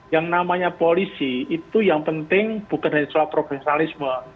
yang namanya polisi itu yang penting bukan hanya soal profesionalisme